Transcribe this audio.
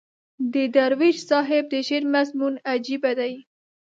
د درویش صاحب د شعر مضمون عجیبه دی.